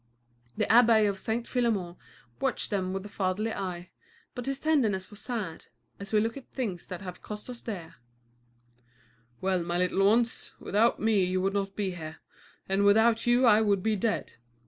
The abbé of St. Philémon watched them with a fatherly eye, but his tenderness was sad, as we look at things that have cost us dear. "Well, my little ones, without me you would not be here, and without you I would be dead.